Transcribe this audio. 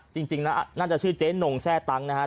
จริงน่าจะชื่อเจนงแทร่ตังค์นะครับ